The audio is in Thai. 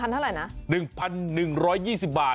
เท่าไหร่นะ๑๑๒๐บาท